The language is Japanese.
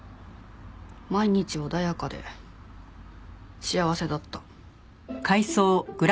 毎日穏やかで幸せだった。